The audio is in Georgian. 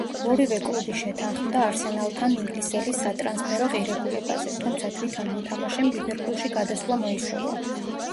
ორივე კლუბი შეთანხმდა „არსენალთან“ ინგლისელის სატრანსფერო ღირებულებაზე, თუმცა თვითონ მოთამაშემ „ლივერპულში“ გადასვლა მოისურვა.